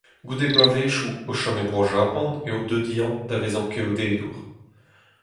Goude bloavezhioù o chom e bro Japan eo deuet-eñ da vezañ keodedour.